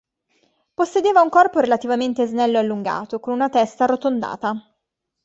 Possedeva un corpo relativamente snello e allungato, con una testa arrotondata.